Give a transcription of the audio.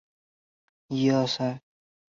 王羽人。